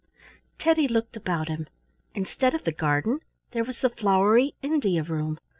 Teddy looked about him. Instead of the garden there was the flowery India room.